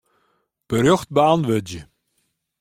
Berjocht beäntwurdzje.